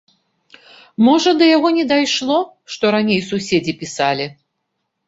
Можа да яго не дайшло, што раней суседзі пісалі.